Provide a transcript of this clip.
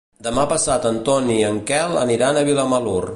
Demà passat en Ton i en Quel aniran a Vilamalur.